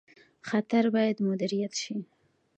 خطر باید مدیریت شي